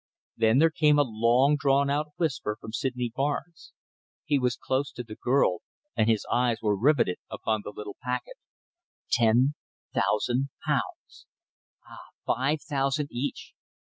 Then there came a long drawn out whisper from Sydney Barnes. He was close to the girl, and his eyes were riveted upon the little packet. "Ten thousand pounds! Ah! Five thousand each!